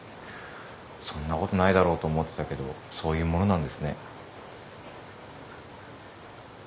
そんなことないだろうと思ってたけどそういうものなんですね。